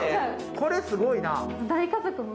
これすごいな。